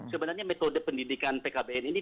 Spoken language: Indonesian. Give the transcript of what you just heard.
sebenarnya metode pendidikan pkbn ini